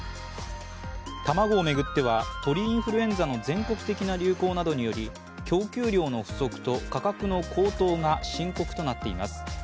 卵を巡っては、鳥インフルエンザの全国的な流行などにより供給量の不足と価格の高騰が深刻となっています。